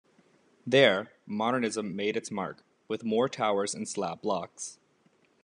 There, modernism made its mark, with more towers and slab blocks.